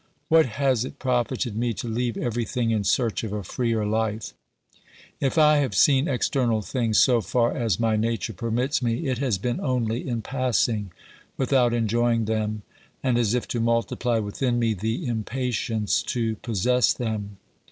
What has it profited me to leave everything in search of a freer life ? If I have seen external things so far as 136 OBERMANN my nature permits me, it has been only in passing, without enjoying them, and as if to multiply within me the im patience to possess them.